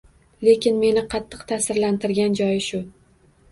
Lekin meni qattiq taʼsirlantirgan joyi shu.